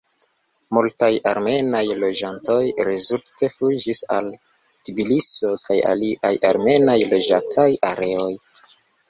Multaj armenaj loĝantoj rezulte fuĝis al Tbiliso kaj aliaj armenaj loĝataj areoj.